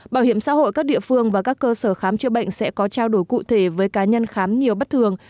bảo hiểm xã hội các địa phương và các cơ sở khám chữa bệnh sẽ có trao đổi cụ thể với cá nhân khám nhiều bất thường